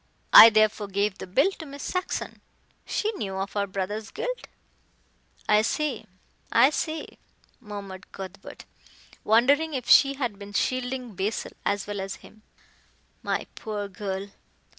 I therefore gave the bill to Miss Saxon. She knew of her brother's guilt " "I see I see," murmured Cuthbert, wondering if she had been shielding Basil as well as him. "My poor girl!"